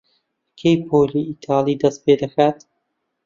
کەی پۆلی ئیتاڵی دەست پێ دەکات؟